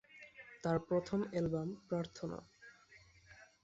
তার প্রথম অ্যালবাম ‘প্রার্থনা’।